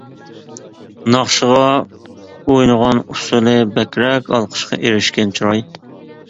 ناخشىغا ئوينىغان ئۇسۇلى بەكرەك ئالقىشقا ئېرىشكەن چىراي.